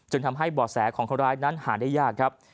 ทำให้บ่อแสของคนร้ายนั้นหาได้ยากครับ